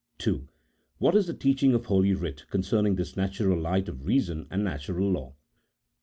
II. What is the teaching of Holy Writ concerning this natural light of reason and natural law